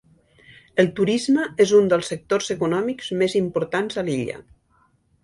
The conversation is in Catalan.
El turisme és un dels sectors econòmics més importants a l'illa.